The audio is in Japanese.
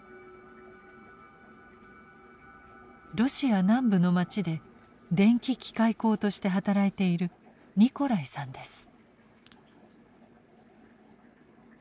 ロシア南部の町で電気機械工として働いているニコライさんです。